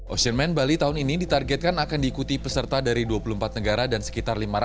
ocean man bali tahun ini ditargetkan akan diikuti peserta dari dua puluh empat negara dan sekitar lima ratus